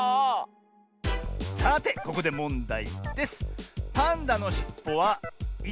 さてここでもんだいです。